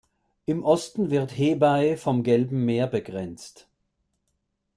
Im Osten wird Hebei vom Gelben Meer begrenzt.